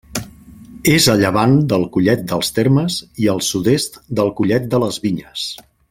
És a llevant del Collet dels Termes i al sud-est del Collet de les Vinyes.